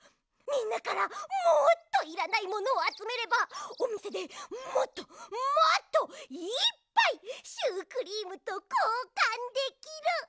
みんなからもっといらないものをあつめればおみせでもっともっといっぱいシュークリームとこうかんできる！